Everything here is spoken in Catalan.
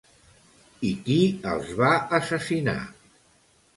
I qui els va assassinar?